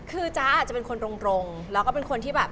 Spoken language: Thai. คือจ๊ะอาจจะเป็นคนตรงแล้วก็เป็นคนที่แบบ